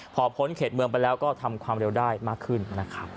พอพ้นเขตเมืองไปแล้วก็ทำความเร็วได้มากขึ้นนะครับ